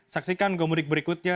saksikan gomudik berikutnya